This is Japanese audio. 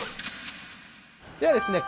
ではですね